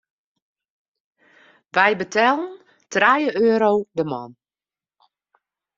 Wy betellen trije euro de man.